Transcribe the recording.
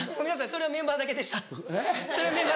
それはメンバーだけでした。